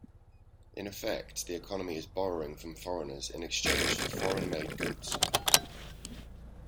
In effect, the economy is borrowing from foreigners in exchange for foreign-made goods.